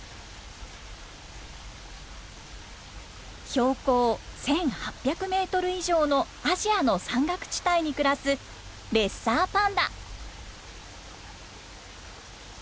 標高１，８００メートル以上のアジアの山岳地帯に暮らすレッサーパンダ。